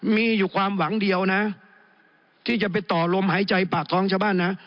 มีอยู่ความหวังเดียวนะที่จะไปต่อลมหายใจปากท้องชาวบ้านนะ